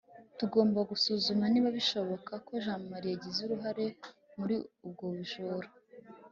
tugomba gusuzuma niba bishoboka ko jamali yagize uruhare muri ubwo bujura